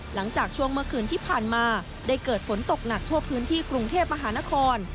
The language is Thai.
หลังจากช่วงเมื่อคืนที่ผ่านมาได้เกิดฝนตกหนักทั่วพื้นที่กรุงเทพมหานคร